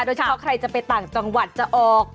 โดยเฉพาะใครจะไปต่างจังหวัดจะออก